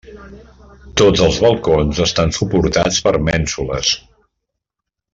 Tots els balcons estan suportats per mènsules.